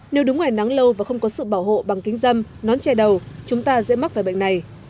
nếu đứng ngoài nắng lâu và không có sự bảo hộ bằng kính dâm nón che đầu chúng ta dễ mắc phải bệnh này